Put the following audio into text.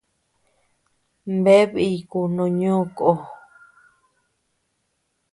Bea bíku no ñó kó.